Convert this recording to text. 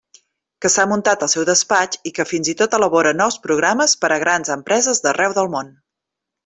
Que s'ha muntat el seu despatx, i que fins i tot elabora nous programes per a grans empreses d'arreu del món.